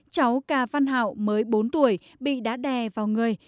cháu cà văn hạo mới bốn tuổi bị đá đè vào người